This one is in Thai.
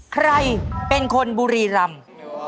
ใครเป็นคนบุรีรำ